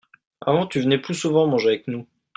avant tu venais plus souvent manger avec nous.